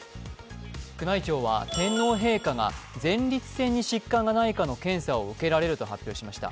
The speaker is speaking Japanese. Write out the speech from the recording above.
宮内庁は天皇陛下が前立腺に疾患がないかの検査を受けられると発表しました。